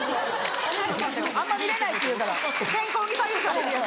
あんま見れないっていうから天候に左右される。